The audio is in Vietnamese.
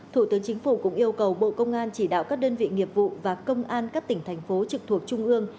thủ tướng chính phủ cũng yêu cầu bộ công an chỉ đạo các đơn vị nghiệp vụ và công an các tỉnh thành phố trực thuộc trung ương